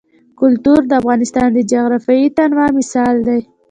کلتور د افغانستان د جغرافیوي تنوع مثال دی.